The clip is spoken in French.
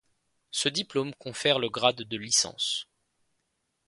Ce diplôme confère le grade de licence.